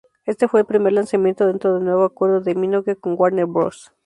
Este fue el primer lanzamiento dentro del nuevo acuerdo de Minogue con Warner Bros.